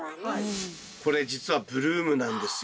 これじつはブルームなんですよ